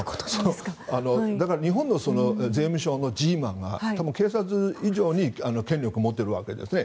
だから日本の税務署のＧメンが警察以上に権力を持っているわけですね。